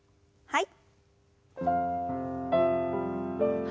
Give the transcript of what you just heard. はい。